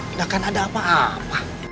tidak akan ada apa apa